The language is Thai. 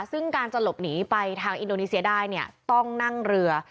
ซึ่งการจะหลบหนีไปทางอินโดนีเซียได้เนี่ยต้องนั่งเรือ